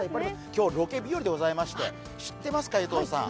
今日、ロケ日和でございまして、知ってますか、江藤さん。